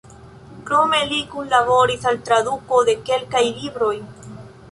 Krome li kunlaboris al tradukoj de kelkaj libroj.